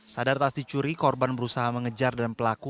sadar tas dicuri korban berusaha mengejar dan pelaku